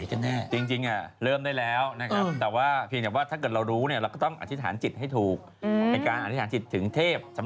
อาจจะมีเวลาจำกัดนิดหนึ่งนะฮะอาจจะมีเวลาจำกัดนิดหนึ่งนะฮะอาจจะมีเวลาจำกัดนิดหนึ่งนะฮะ